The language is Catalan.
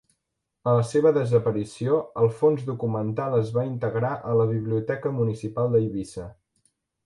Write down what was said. A la seva desaparició el fons documental es va integrar a la Biblioteca Municipal d'Eivissa.